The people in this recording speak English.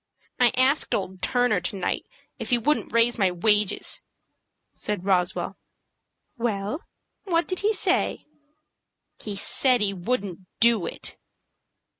"I asked old Turner to night if he wouldn't raise my wages," said Roswell. "Well, what did he say?" "He said he wouldn't do it."